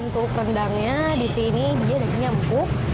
untuk rendangnya disini dia nampuk